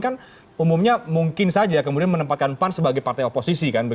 pak amin kan umumnya mungkin saja menempatkan pan sebagai partai oposisi